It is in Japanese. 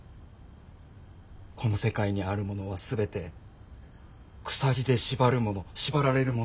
この世界にあるものは全て鎖で縛るもの縛られるものだけだ。